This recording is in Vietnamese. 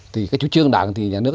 thì cái chú trương đảng thì nhà nước